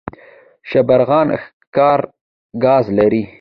شبرغان ښار ګاز لري؟